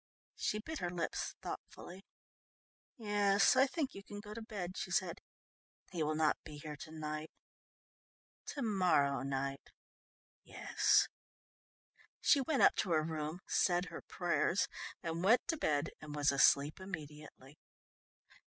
She bit her lips thoughtfully. "Yes, I think you can go to bed," she said. "He will not be here to night. To morrow night, yes." She went up to her room, said her prayers and went to bed and was asleep immediately.